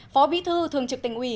phó bí thư thường trực tỉnh ủy